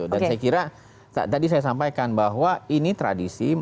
dan saya kira tadi saya sampaikan bahwa ini tradisi